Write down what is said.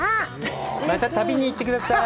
また旅に行ってください。